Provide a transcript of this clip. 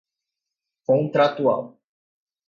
contratual